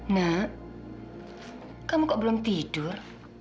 nak kamu kok belum tidur